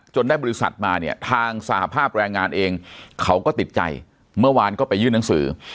ได้บริษัทมาเนี่ยทางสหภาพแรงงานเองเขาก็ติดใจเมื่อวานก็ไปยื่นหนังสือ